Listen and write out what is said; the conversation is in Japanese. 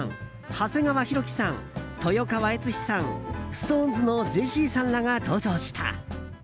長谷川博己さん、豊川悦司さんＳｉｘＴＯＮＥＳのジェシーさんらが登場した。